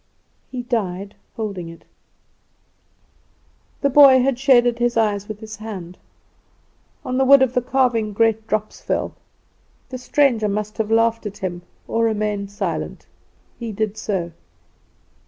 He died holding it." The boy had shaded his eyes with his hand. On the wood of the carving great drops fell. The stranger must have laughed at him, or remained silent. He did so.